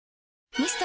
ミスト？